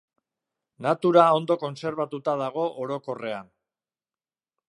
Natura ondo kontserbatuta dago orokorrean.